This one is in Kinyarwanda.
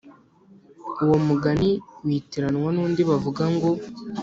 uwo mugani witiranwa n'undi bavuga ngo: